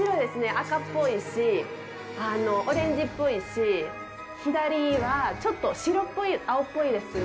赤っぽいし、オレンジっぽいし、左はちょっと白っぽい、青っぽいですね。